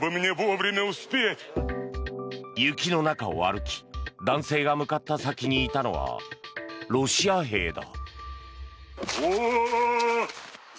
雪の中を歩き男性が向かった先にいたのはロシア兵だ。